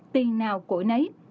tiền nào của nấy